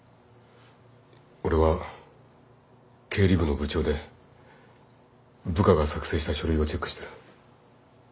俺は経理部の部長で部下が作成した書類をチェックしてる。